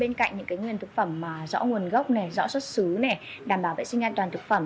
bên cạnh những nguồn thực phẩm rõ nguồn gốc này rõ xuất xứ này đảm bảo vệ sinh an toàn thực phẩm